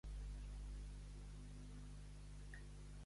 Guatla diu: —Què fas, gat? —Què fas guatla? Diu el gat!